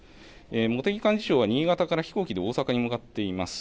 茂木幹事長は新潟から飛行機で大阪に向かっています。